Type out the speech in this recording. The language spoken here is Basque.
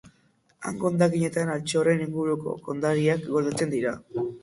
Hango hondakinetan altxorren inguruko kondairak gordetzen dira.